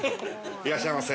◆いらっしゃいませ。